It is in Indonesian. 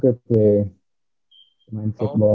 seorang yang bisa bermain bola